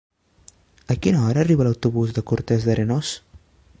A quina hora arriba l'autobús de Cortes d'Arenós?